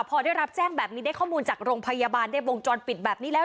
พอได้รับแจ้งแบบนี้ได้ข้อมูลจากโรงพยาบาลได้วงจรปิดแบบนี้แล้ว